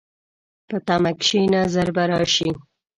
په تمه کښېنه، ژر به راشي.